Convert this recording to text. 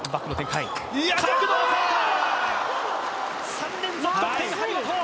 ３連続得点、張本！